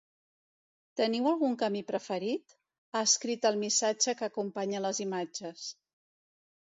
“Teniu algun camí preferit?”, ha escrit al missatge que acompanya les imatges.